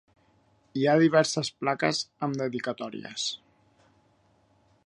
Hi ha diverses plaques amb dedicatòries.